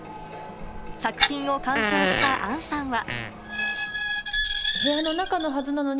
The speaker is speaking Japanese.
作品を鑑賞した杏さんは。